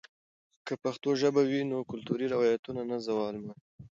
که پښتو ژبه وي، نو کلتوري روایتونه نه زوال مومي.